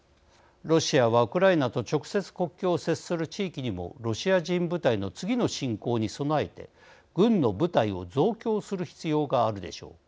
ロシアは、ウクライナと直接、国境を接する地域にもロシア人部隊の次の侵攻に備えて軍の部隊を増強する必要があるでしょう。